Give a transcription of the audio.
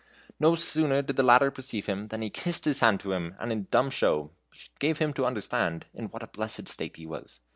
No sooner did the latter perceive him, than he kissed his hand to him, and in dumb show gave him to understand in what a blessed state he was.